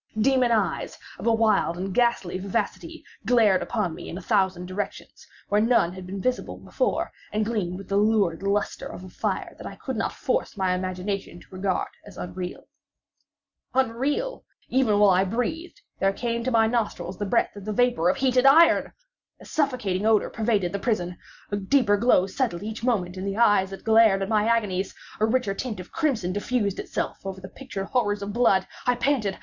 Demon eyes, of a wild and ghastly vivacity, glared upon me in a thousand directions, where none had been visible before, and gleamed with the lurid lustre of a fire that I could not force my imagination to regard as unreal. Unreal!—Even while I breathed there came to my nostrils the breath of the vapour of heated iron! A suffocating odour pervaded the prison! A deeper glow settled each moment in the eyes that glared at my agonies! A richer tint of crimson diffused itself over the pictured horrors of blood. I panted!